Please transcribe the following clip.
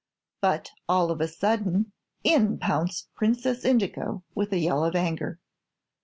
But, all of a sudden, in pounced Princess Indigo, with a yell of anger.